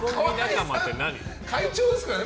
会長ですからね。